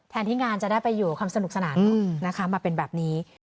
ที่งานจะได้ไปอยู่ความสนุกสนานนะคะมาเป็นแบบนี้